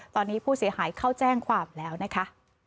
ตอนนี้ผู้เสียหายเข้าแจ้งความแล้วนะคะ